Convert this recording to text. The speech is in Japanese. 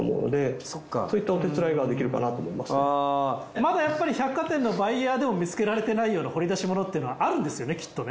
まだやっぱり百貨店のバイヤーでも見つけられてないような掘り出し物っていうのはあるんですよねきっとね。